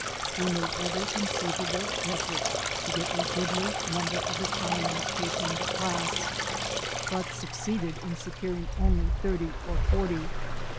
We made every conceivable effort to get a goodly number of Italians to attend the class, but succeeded in securing only thirty or forty.